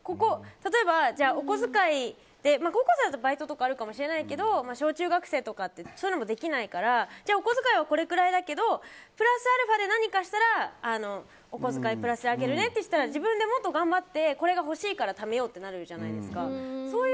例えば、お小遣いで高校生だったらバイトとかあるかもしれないけど小中学生とかってそういうのもできないからお小遣いはこれくらいだけどプラスアルファで何かしたらお小遣いプラスあげるねって人は自分でもっと頑張って欲しいからためようってなるじゃないですか。